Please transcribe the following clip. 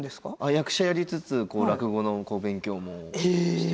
役者やりつつ落語の勉強も。え！